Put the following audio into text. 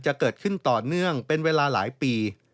จะเกิดขึ้นต่อเนื่องเป็นเวลาหลายปี